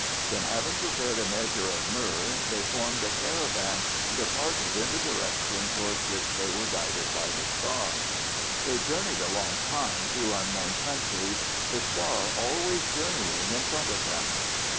Then, having prepared a measure of myrrh, they formed a caravan and departed in the direction towards which they were guided by the star. They journeyed a long time through unknown countries, the star always journeying in front of them.